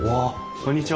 こんにちは。